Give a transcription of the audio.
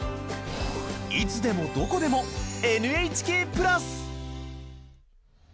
いつでもどこでも「ＮＨＫプラス」。